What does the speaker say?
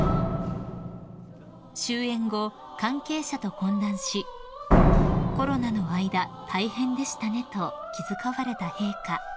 ［終演後関係者と懇談し「コロナの間大変でしたね」と気遣われた陛下］